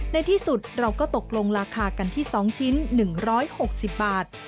ในที่สุดเราก็ตกลงราคากันที่๒ชิ้น๑๖๐บาท